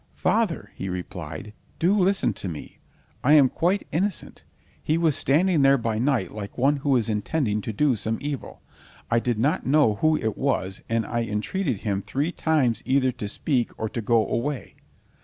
"Father," he replied, "do listen to me. I am quite innocent. He was standing there by night like one who is intending to do some evil. I did not know who it was, and I entreated him three times either to speak or to go away."